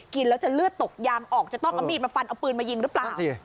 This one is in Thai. กินแล้วจะเลือดตกยางออกจะต้องเอามีดมาฟันเอาปืนมายิงหรือเปล่า